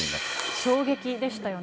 衝撃でしたよね。